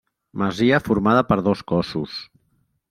Masia formada per dos cossos.